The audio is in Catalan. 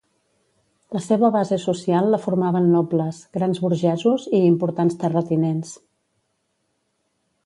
La seva base social la formaven nobles, grans burgesos i importants terratinents.